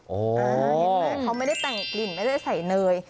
เห็นไหมเขาไม่ได้แต่งกลิ่นไม่ได้ใส่เนย